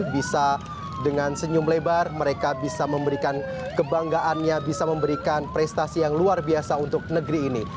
bisa dengan senyum lebar mereka bisa memberikan kebanggaannya bisa memberikan prestasi yang luar biasa untuk negeri ini